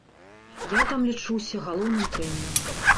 Я там лічуся галоўным трэнерам.